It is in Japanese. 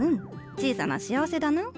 小さな幸せだナン。